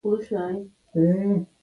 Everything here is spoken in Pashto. الوتکه وطن ته بېرته راتګ آسانوي.